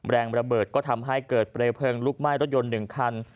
แรงระเบิดก็ทำให้เกิดเปลวเพลิงลุกไหม้รถยนต์๑คัน